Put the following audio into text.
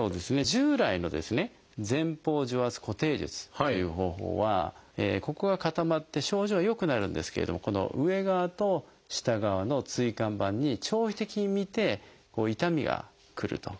従来のですね前方除圧固定術という方法はここが固まって症状は良くなるんですけれどもこの上側と下側の椎間板に長期的に見て痛みがくると。